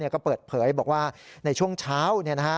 ก็เปิดเผยบอกว่าในช่วงเช้า